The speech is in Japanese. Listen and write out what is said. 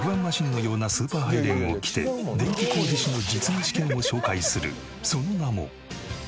Ｆ１マシンのようなスーパーハイレグを着て電気工事士の実技試験を紹介するその名も。